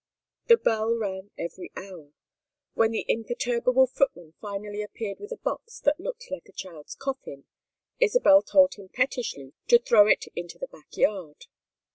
The bell rang every hour. When the imperturbable footman finally appeared with a box that looked like a child's coffin, Isabel told him pettishly to throw it into the back yard.